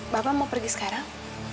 bapak mau pergi sekarang